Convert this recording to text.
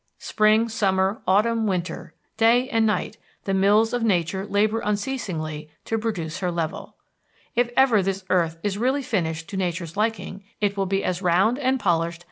Spring, summer, autumn, winter, day and night, the mills of Nature labor unceasingly to produce her level. If ever this earth is really finished to Nature's liking, it will be as round and polished as a billiard ball.